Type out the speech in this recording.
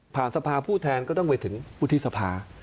ผ่านสภาผู้แทนก็ต้องไปถึงผู้ที่สภา